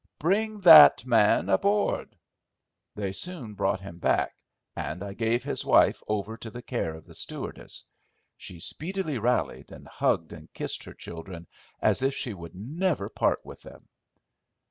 "Bring that man aboard." They soon brought him back, and I gave his wife over to the care of the stewardess. She speedily rallied, and hugged and kissed her children as if she would never part with them.